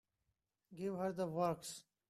Give her the works.